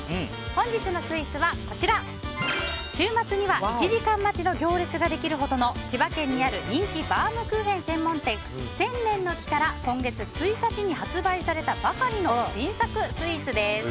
本日のスイーツはこちら週末には１時間待ちの行列ができるほどの千葉県にある人気バウムクーヘン専門店せんねんの木から今月１日に発売されたばかりの新作スイーツです。